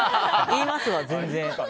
言いますわ、全然。